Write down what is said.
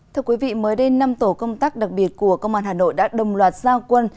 thưa quý vị mới đây năm tổ công tác đặc biệt của công an hà nội đã đồng loạt giao quân